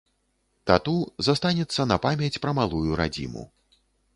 Тату застанецца на памяць пра малую радзіму.